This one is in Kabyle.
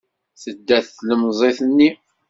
Tedda tlemmiẓt-nni.